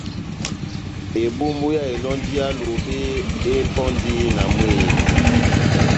Ebumbu yá elɔnji yá Lobe epɔndi na mwehé.